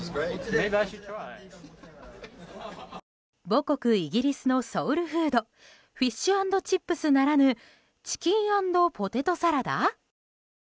母国イギリスのソウルフードフィッシュ＆チップスならぬチキン＆ポテトサラダ？